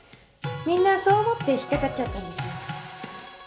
みんなそう思って引っかかっちゃったんですよ。